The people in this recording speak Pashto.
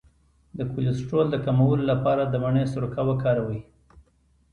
د کولیسټرول د کمولو لپاره د مڼې سرکه وکاروئ